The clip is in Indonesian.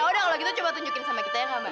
ya udah kalau gitu coba tunjukin sama kita ya mbak